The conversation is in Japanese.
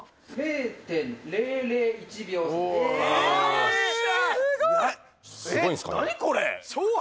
よっしゃ！